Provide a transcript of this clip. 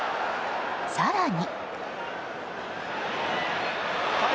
更に。